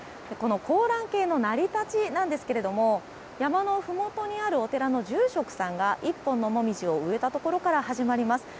香嵐渓の成り立ちなんですけれども、山の麓にあるお寺の住職さんが１本のもみじを植えたところから始まります。